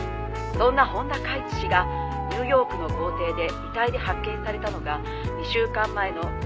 「そんな本多嘉壱氏がニューヨークの豪邸で遺体で発見されたのが２週間前の２月２１日」